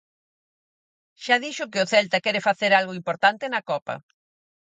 Xa dixo que o Celta quere facer algo importante na Copa.